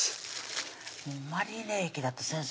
もうマリネ液だって先生